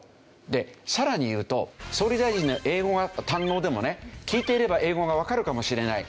でさらに言うと総理大臣の英語が堪能でもね聞いていれば英語がわかるかもしれない。